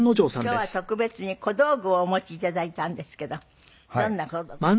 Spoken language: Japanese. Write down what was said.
今日は特別に小道具をお持ち頂いたんですけどどんな小道具で。